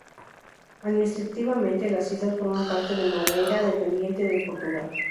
Administrativamente, las islas forman parte de Madeira, dependiente de Portugal.